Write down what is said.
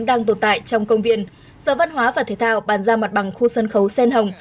đang tồn tại trong công viên sở văn hóa và thế thao bàn ra mặt bằng khu sân khấu sen hồng